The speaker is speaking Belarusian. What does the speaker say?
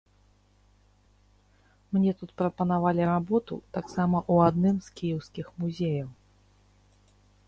Мне тут прапанавалі работу, таксама ў адным з кіеўскіх музеяў.